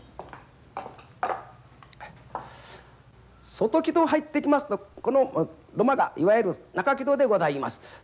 外木戸を入ってきますとこの土間がいわゆる中木戸でございます。